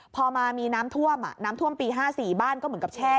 พอมามีน้ำท่วมน้ำท่วมปี๕๔บ้านก็เหมือนกับแช่